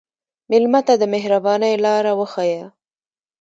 مېلمه ته د مهربانۍ لاره وښیه.